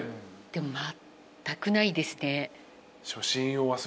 でもまったくないですね。